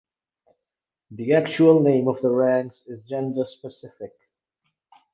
The actual name of the ranks is gender-specific.